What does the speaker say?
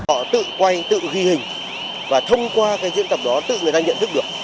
họ tự quay tự ghi hình và thông qua cái diễn tập đó tự người ta nhận thức được